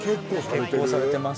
結構されてます